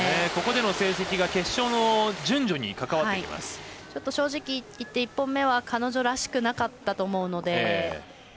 ここでの成績が決勝の順序に正直言って、１本目は彼女らしくなかったと思うので。